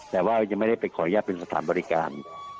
แต่ว่ายังไม่ได้ไปขออนุญาตเป็นสถานบริการ